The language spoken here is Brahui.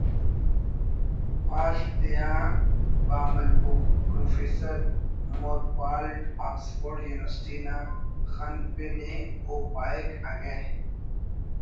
پال/ تیا با ملبو“ پروفیسر مورپالڈ آکسفورڈ یونیورسٹی نا خن پن ءِ او پاہک ”اگہ